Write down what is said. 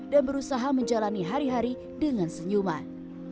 dan berusaha menjalani hari hari dengan senyuman